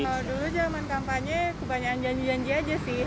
kalau dulu zaman kampanye kebanyakan janji janji aja sih